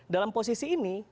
dalam posisi ini